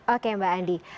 oke mbak andi